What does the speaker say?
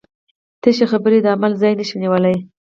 تشې خبرې د عمل ځای نشي نیولی.